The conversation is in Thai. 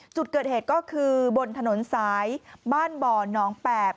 จุดเกิดเหตุก็คือบนถนนสายบ้านบ่อน้องแปบ